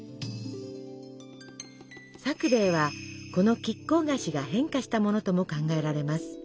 さくべいはこの乞巧果子が変化したものとも考えられます。